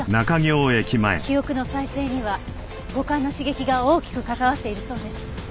記憶の再生には五感の刺激が大きく関わっているそうです。